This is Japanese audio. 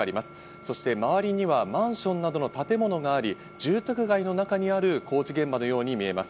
そして周りにはマンションなどの建物があり、住宅街の中にある工事現場のように見えます。